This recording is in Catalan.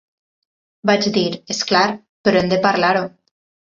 Vaig dir: és clar, però hem de parlar-ho.